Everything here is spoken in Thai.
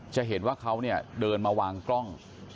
จะเห็นว่าเขาเนี่ยเดินมาวางกล้อง